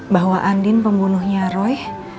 bahwa andin pembunuhnya roy